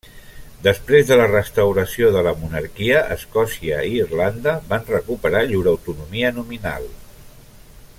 Després de la restauració de la monarquia Escòcia i Irlanda van recuperar llur autonomia nominal.